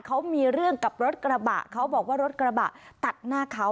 เขามีเรื่องกับรถกระบะเขาบอกว่ารถกระบะตัดหน้าเขา